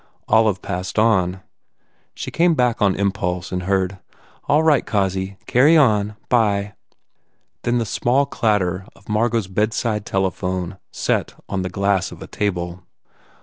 Olive passed on. She came back on impulse and heard "All right, Cossy. Carry on. By ee." Then the small clatter of Margot s bedside telephone set on the glass of a table.